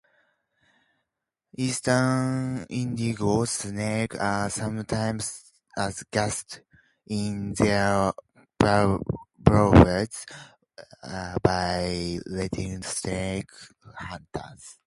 Eastern indigo snakes are sometimes "gassed" in their burrows by rattlesnake hunters.